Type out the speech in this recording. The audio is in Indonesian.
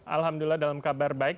alhamdulillah dalam kabar baik